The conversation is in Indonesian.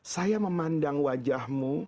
saya memandang wajahmu